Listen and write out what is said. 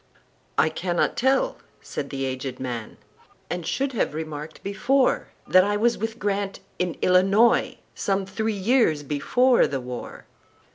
"I cannot tell," said the aged man,"And should have remarked before, That I was with Grant,—in Illinois,—Some three years before the war."